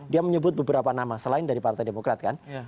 dia menyebut beberapa nama selain dari partai demokrat kan